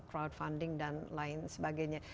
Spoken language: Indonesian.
crowdfunding dan lain sebagainya